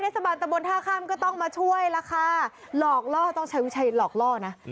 สบายตะบนท่าข้ามก็ต้องมาช่วยล่ะค่ะหลอกล่อต้องใช้วิชัยหลอกล่อนะ